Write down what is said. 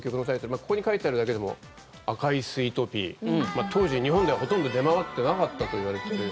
ここに書いてあるだけでも「赤いスイートピー」当時、日本ではほとんど出回ってなかったといわれている。